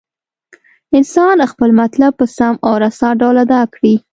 انسان خپل مطلب په سم او رسا ډول ادا کړي.